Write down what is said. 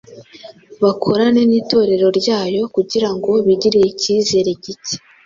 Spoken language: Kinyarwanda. bakorane n’Itorero ryayo kugira ngo bigirire icyizere gike